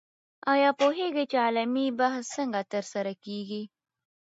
آیا پوهېږئ چې علمي بحث څنګه ترسره کېږي؟